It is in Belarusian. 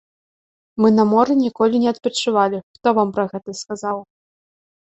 Мы на моры ніколі не адпачывалі, хто вам пра гэта сказаў?